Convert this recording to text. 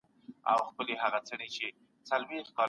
موږ بايد د فکري بيدارۍ لپاره په ګډه غږ پورته کړو.